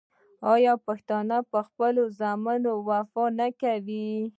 آیا پښتون په خپلو ژمنو وفا نه کوي؟